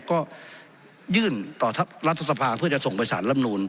ก็ยื่นต่อรัฐสภาเพื่อจะส่งไปสารลำนูน